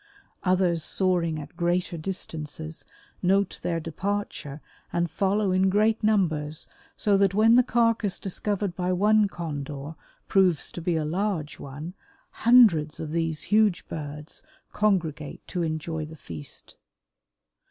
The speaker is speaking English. Others soaring at greater distances note their departure and follow in great numbers so that when the carcass discovered by one Condor proves to be a large one, hundreds of these huge birds congregate to enjoy the feast.